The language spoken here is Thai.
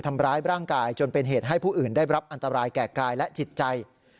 ทำร้ายร่างกายจนเป็นเหตุให้ผู้อื่นได้รับอันตรายแก่กายและจิตใจ